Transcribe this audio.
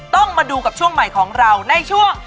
ต้องมาดูกับช่วงใหม่ของเราในช่วง